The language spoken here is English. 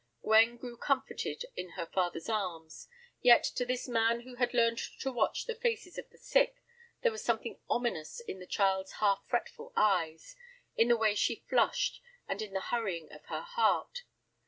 Gwen grew comforted in her father's arms. Yet to this man who had learned to watch the faces of the sick, there was something ominous in the child's half fretful eyes, in the way she flushed, and in the hurrying of her heart.